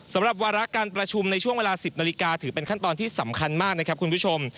สำหรับวาระการประชุมในช่วงเวลา๑๐นาฬิกาถือเป็นขั้นตอนที่สำคัญมากนะครับคุณผู้ชม